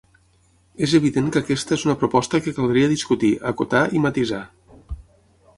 És evident que aquesta és una proposta que caldria discutir, acotar i matisar.